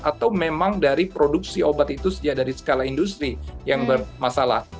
atau memang dari produksi obat itu dari skala industri yang bermasalah